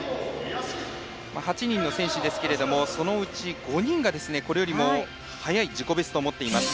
８人の選手ですけどもそのうち５人が、これよりも早い自己ベストを持っています。